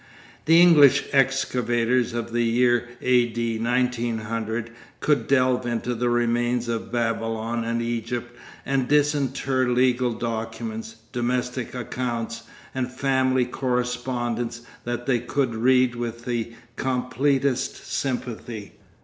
The English excavators of the year A.D. 1900 could delve into the remains of Babylon and Egypt and disinter legal documents, domestic accounts, and family correspondence that they could read with the completest sympathy.